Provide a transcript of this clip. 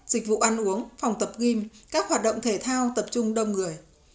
dịch vụ ăn uống phòng tập gym các hoạt động thể thao tập trung đông người